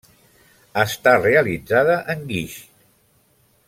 Està realitzada en guix.